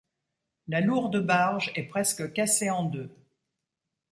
La lourde barge est presque cassée en deux.